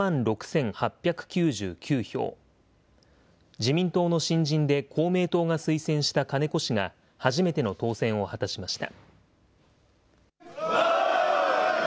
自民党の新人で公明党が推薦した金子氏が、初めての当選を果たしました。